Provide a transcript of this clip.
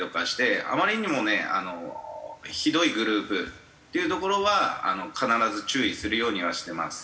あまりにもひどいグループっていうところは必ず注意するようにはしてます。